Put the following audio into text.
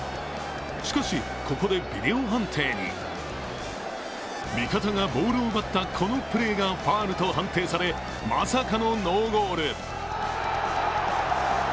しかし、ここでビデオ判定に味方がボールを奪ったこのプレーがファウルと判定され、まさかのノーゴール。